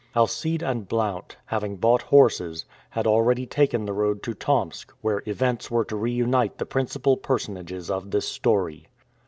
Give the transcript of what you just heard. Alcide and Blount, having bought horses, had already taken the road to Tomsk, where events were to reunite the principal personages of this story.